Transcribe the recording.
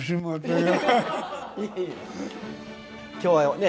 今日はね